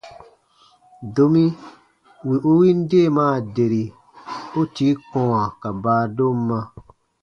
Domi wì u win deemaa deri, u tii kɔ̃wa ka baadomma.